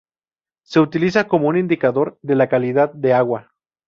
Se utiliza como un indicador de la calidad de agua.